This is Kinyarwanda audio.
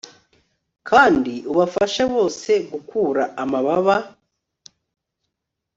kandi ubafashe bose gukura amababa